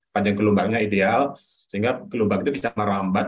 panjang gelombangnya ideal sehingga gelombang itu bisa merambat